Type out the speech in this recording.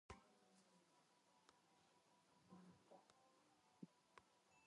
چېرې چې همت وي، هلته لاره وي.